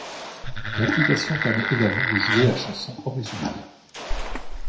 L'application permet également de jouer la chanson originale.